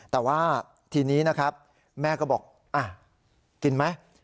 แต่ว่าทีนี้นะครับแม่ก็บอกกินไหม